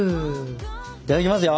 いただきますよ！